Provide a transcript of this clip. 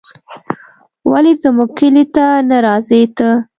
ولې زموږ کلي ته نه راځې ته